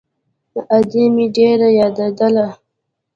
ادې مې ډېره يادېدله.